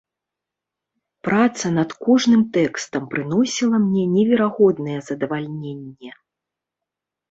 Праца над кожным тэкстам прыносіла мне неверагоднае задавальненне.